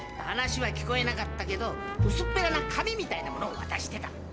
話は聞こえなかったけどうすっぺらな紙みたいなものをわたしてた。